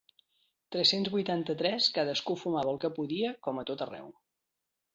Tres-cents vuitanta-tres cadascú fumava el que podia, com a tot arreu.